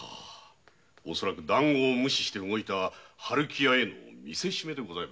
恐らく談合を無視して動いた春喜屋へのみせしめでございましょうか。